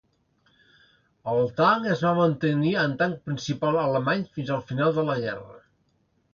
El tanc es va mantenir amb tanc principal alemany fins al final de la guerra.